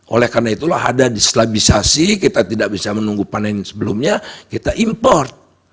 oleh karena itulah ada dislabisasi kita tidak bisa menunggu panen sebelumnya kita import